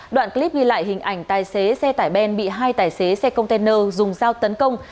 đoạn clip ghi lại hình ảnh tài xế xe tải ben bị hai tài xế xe container dùng dao tấn công